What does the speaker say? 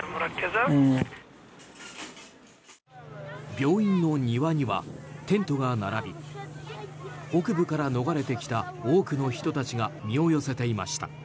病院の庭にはテントが並び北部から逃れてきた多くの人たちが身を寄せていました。